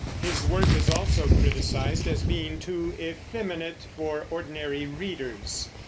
His work is also criticised as being too effeminate for ordinary readers.